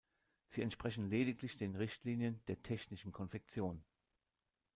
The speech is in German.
Sie entsprechen lediglich den Richtlinien der technischen Konfektion.